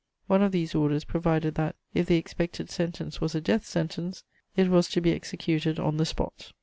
One of these orders provided that, if the expected sentence was a death sentence, it was to be executed on the spot.